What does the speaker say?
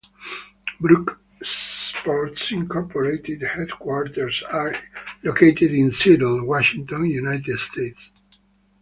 Brooks Sports, Incorporated headquarters are located in Seattle, Washington, United States.